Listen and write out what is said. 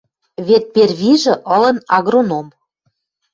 Вет первижӹ ылын агроном.